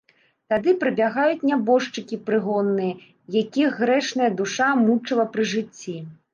Тады прыбягаюць нябожчыкі прыгонныя, якіх грэшная душа мучыла пры жыцці.